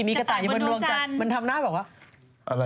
มีกระต่ายอยู่บนโลกจันทร์มันทำหน้าบอกว่า